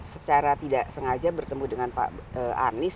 secara tidak sengaja bertemu dengan pak anies